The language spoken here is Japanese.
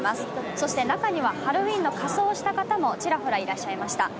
そして中にはハロウィーンの仮装をした方もちらほらいらっしゃいました。